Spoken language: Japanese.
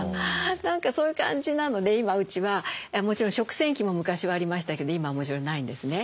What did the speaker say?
何かそういう感じなので今うちはもちろん食洗器も昔はありましたけど今はもちろんないんですね。